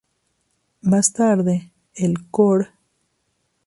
Más tarde, el Cor.